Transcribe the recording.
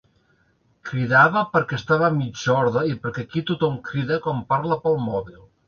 Cridava perquè estava mig sorda i perquè aquí tothom crida quan parla pel mòbil.